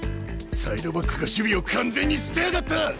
サイドバックが守備を完全に捨てやがった！